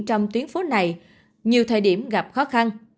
trong tuyến phố này nhiều thời điểm gặp khó khăn